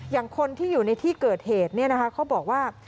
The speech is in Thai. อย่างคนที่อยู่ในที่เกิดเหตุเขาบอกว่า